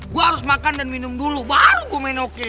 gue harus makan dan minum dulu baru gue main oke